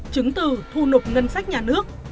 chứng từ thu nục ngân sách nhà nước